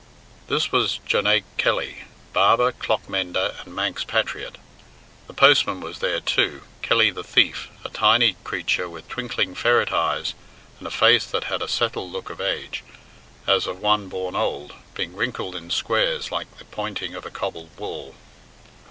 This was Jonaique Jelly, barber, clock mender, and Manx patriot. The postman was there, too, Kelly the Thief, a tiny creature with twinkling ferret eyes, and a face that had a settled look of age, as of one born old, being wrinkled in squares like the pointing of a cobble wall.